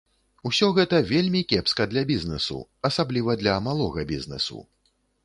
Усё гэта вельмі кепска для бізнэсу, асабліва для малога бізнэсу.